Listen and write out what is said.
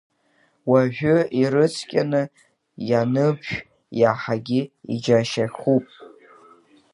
Уажәы, ирыцқьаны ианыбшә иаҳагьы иџьашьахәуп.